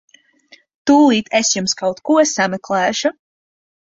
Tūlīt es jums kaut ko sameklēšu.